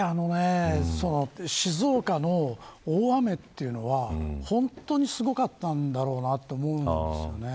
やはり静岡の大雨というのは本当にすごかったんだろうなと思うんですよね。